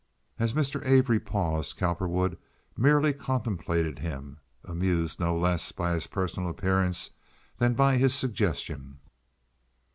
As Mr. Avery paused Cowperwood merely contemplated him, amused no less by his personal appearance than by his suggestion.